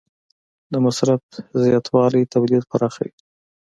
د مصرف زیاتوالی تولید پراخوي.